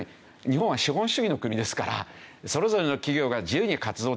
日本は資本主義の国ですからそれぞれの企業が自由に活動できるわけですよね。